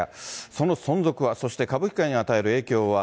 その存続は、そして歌舞伎界に与える影響は。